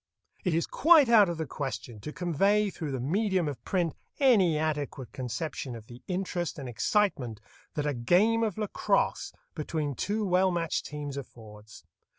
It is quite out of the question to convey through the medium of print any adequate conception of the interest and excitement that a game of lacrosse between two well matched teams affords.